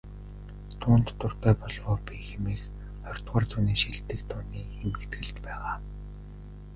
"Дуунд дуртай болов оо би" хэмээх ХХ зууны шилдэг дууны эмхэтгэлд байгаа.